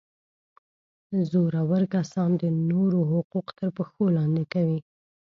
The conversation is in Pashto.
زورور کسان د نورو حقوق تر پښو لاندي کوي.